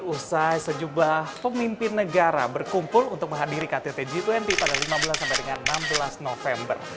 usai sejumlah pemimpin negara berkumpul untuk menghadiri ktt g dua puluh pada lima belas sampai dengan enam belas november